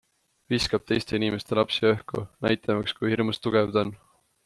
Viskab teiste inimeste lapsi õhku, näitamaks, kui hirmus tugev ta on.